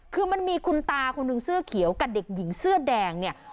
คือมันมีคุณตาคนหนึ่งเสื้อเขียวกับเด็กหญิงเสื้อแดงเนี่ย